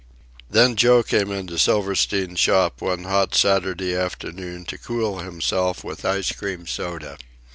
Then Joe came into Silverstein's shop one hot Saturday afternoon to cool himself with ice cream soda.